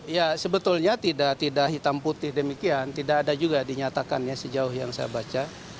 ya sebetulnya tidak hitam putih demikian tidak ada juga dinyatakan ya sejauh yang saya baca